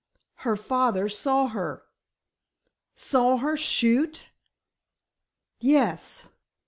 "Her father saw her." "Saw her shoot?" "Yes."